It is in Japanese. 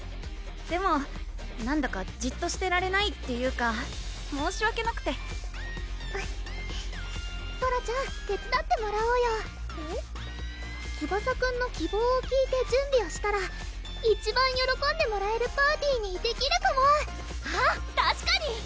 でもなんだかじっとしてられないっていうか申しわけなくてソラちゃん手伝ってもらおうよツバサくんの希望を聞いて準備をしたら一番よろこんでもらえるパーティーにできるかもあったしかに！